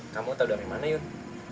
kamu tahu dari mana yuk